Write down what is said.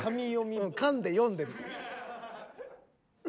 かんで読んでる。